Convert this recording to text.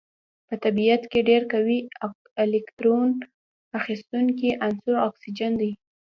په طبیعت کې ډیر قوي الکترون اخیستونکی عنصر اکسیجن دی.